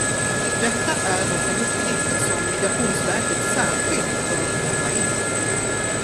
Detta är dock en uppgift som Migrationsverket särskilt bör kräva in.